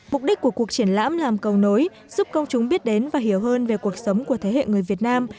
mục đích của cuộc triển lãm là cầu nối giúp công chúng biết đến và hiểu hơn về cuộc sống của thế hệ người việt nam